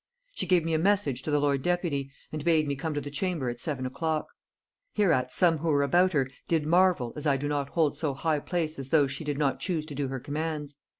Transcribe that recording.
She gave me a message to the lord deputy, and bade me come to the chamber at seven o'clock. Hereat some who were about her did marvel, as I do not hold so high place as those she did not choose to do her commands....